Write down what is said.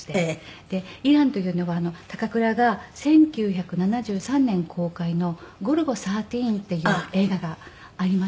イランというのは高倉が１９７３年公開の『ゴルゴ１３』っていう映画がありまして。